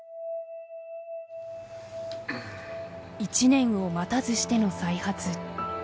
１年を待たずしての再発。